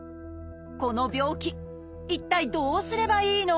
この病気一体どうすればいいの？